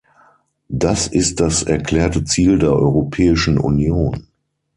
Das ist das erklärte Ziel der Europäischen Union.